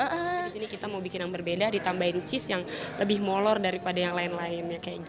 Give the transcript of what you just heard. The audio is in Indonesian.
disini kita mau bikin yang berbeda ditambahin cheese yang lebih molor daripada yang lain lainnya kayak gitu